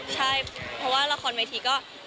ใช่เพราะว่าละครเวทีก็